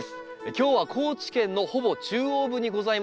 今日は高知県のほぼ中央部にございます